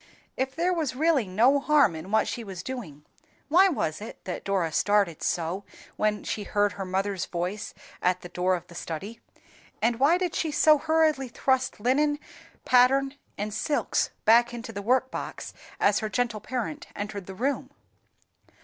If there was really no harm in what she was doing, why was it that Dora started so when she heard her mother's voice at the door of the study, and why did she so hurriedly thrust linen, pattern, and silks back into the workbox as her gentle parent entered the room?